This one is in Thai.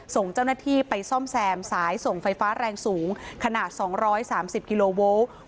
ส่งเจ้าหน้าที่ไปซ่อมแซมสายส่งไฟฟ้าแรงสูงขนาด๒๓๐กิโลโวลต์